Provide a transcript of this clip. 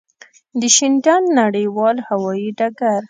د شینډنډ نړېوال هوایی ډګر.